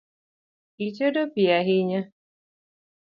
Itedo piyo ahinya